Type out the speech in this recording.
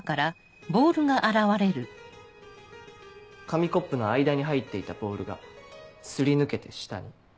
紙コップの間に入っていたボールがすり抜けて下に。